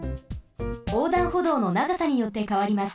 おうだんほどうのながさによってかわります。